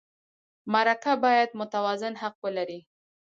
مرکه باید متوازن حق ولري.